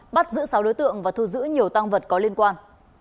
bắt giữ sáu đối tượng và thu giữ nhiều tăng vật có liên quan